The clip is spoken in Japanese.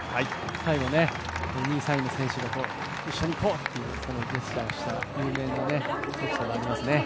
最後、２位、３位の選手と一緒にいこうっていうジェスチャーをした有名なエピソードがありますね。